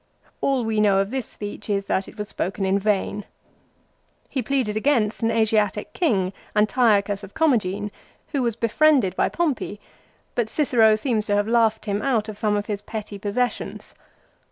All we know of this speech is that it was spoken in vain. He pleaded against an Asiatic king, Antiochus of Comagene, who was befriended by Pompey, but Cicero seems to have laughed him out of some of his petty possessions.